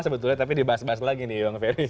sebetulnya tapi dibahas bahas lagi nih bang ferry